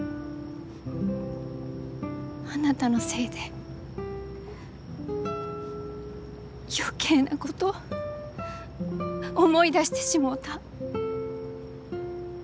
あなたのせいで余計なこと思い出してしもうた。